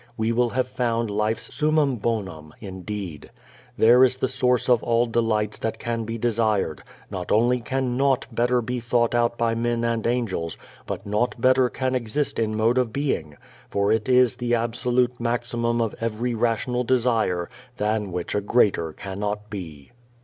We will have found life's summum bonum indeed. "There is the source of all delights that can be desired; not only can nought better be thought out by men and angels, but nought better can exist in mode of being! For it is the absolute maximum of every rational desire, than which a greater cannot be."